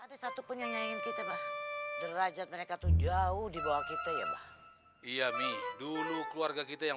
ada satu penyanyi kita bah derajat mereka tuh jauh dibawa kita ya bah iami dulu keluarga kita yang